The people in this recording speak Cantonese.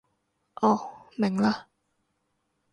哦，明嘞